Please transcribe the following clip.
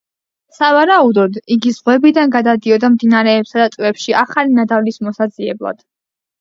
სავარაუდოდ, იგი ზღვებიდან გადადიოდა მდინარეებსა და ტბებში ახალი ნადავლის მოსაძიებლად.